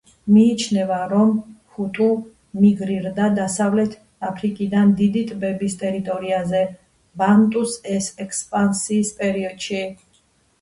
მიიჩნევა, რომ ჰუტუ მიგრირდა დასავლეთი აფრიკიდან დიდი ტბების ტერიტორიაზე ბანტუს ექსპანსიის პერიოდში.